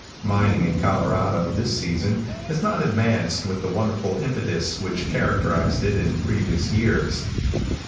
Mining in Colorado, this season, has not advanced with the wonderful impetus which characterized it in previous years.